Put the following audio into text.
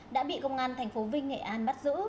đã bị công an thành phố vinh nghệ an bắt giữ